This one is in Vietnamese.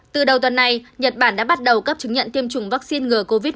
từ đầu tuần này nhật bản đã bắt đầu cấp chứng nhận tiêm chủng vaccine ngừa covid một mươi chín